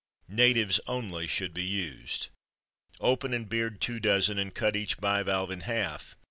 Natives only should be used. Open and beard two dozen, and cut each bivalve in half.